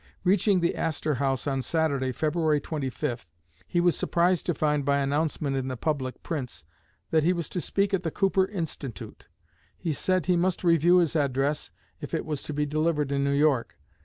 Reaching the Astor House on Saturday, February 25, he was surprised to find by announcement in the public prints that he was to speak at the Cooper Institute. He said he must review his address if it was to be delivered in New York.